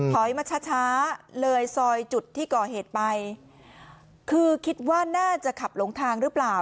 มาช้าช้าเลยซอยจุดที่ก่อเหตุไปคือคิดว่าน่าจะขับหลงทางหรือเปล่า